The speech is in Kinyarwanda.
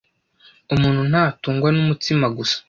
“Umuntu ntatungwa n’umutsima gusa,